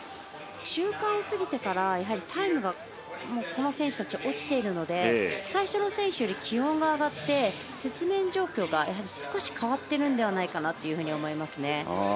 中間を過ぎてからタイムが、この選手たちは落ちているので最初の選手より気温が上がって雪面状況が少し変わっているんだと思います。